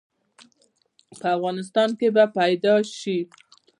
په افغانستان کې به پيدا ش؟